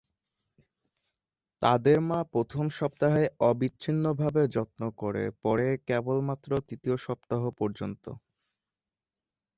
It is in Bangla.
তাদের মা প্রথম সপ্তাহে অবিচ্ছিন্নভাবে যত্ন করে, পরে কেবলমাত্র তৃতীয় সপ্তাহ পর্যন্ত।